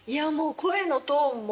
声のトーンも。